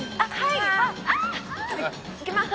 いきます。